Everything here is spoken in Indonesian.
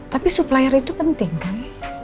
tapi supplier itu penting kan